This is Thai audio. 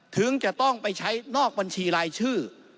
ถึงจะต้องไปใช้นอกบัญชีรายชื่อ